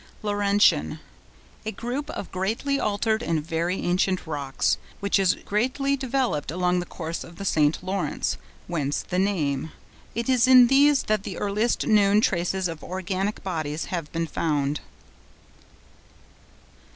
LAURENTIAN.—A group of greatly altered and very ancient rocks, which is greatly developed along the course of the St. Laurence, whence the name. It is in these that the earliest known traces of organic bodies have been found.